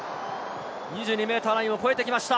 ２２ｍラインを越えてきました。